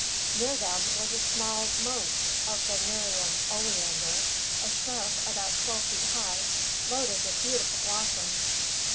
Near them was a small "motte" of the Nerium oleander, a shrub about twelve feet high, loaded with beautiful blossoms.